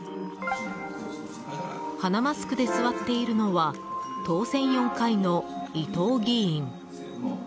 鼻マスクで座っているのは当選４回の伊藤議員。